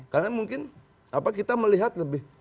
karena mungkin kita melihat lebih